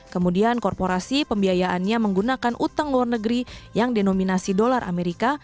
kemudian korporasi pembiayaannya menggunakan utang luar negeri yang denominasi dolar amerika